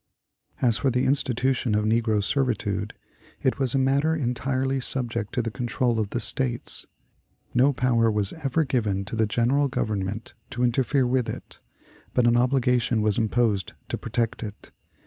As for the institution of negro servitude, it was a matter entirely subject to the control of the States. No power was ever given to the General Government to interfere with it, but an obligation was imposed to protect it.